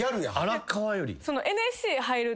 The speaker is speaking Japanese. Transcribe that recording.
荒川より。